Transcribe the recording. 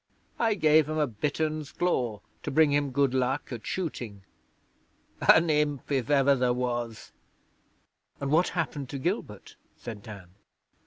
I gave him a bittern's claw to bring him good luck at shooting. An imp, if ever there was!' 'And what happened to Gilbert?' said Dan.